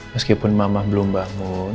meskipun mama belum bangun